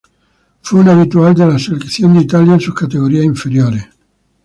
Fue un habitual de la selección de Italia en sus categorías inferiores.